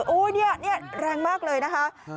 อุ๊ยเนี่ยแรงมากเลยนะคะ